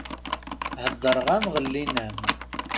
Heddeṛeɣ-am ɣellin-am!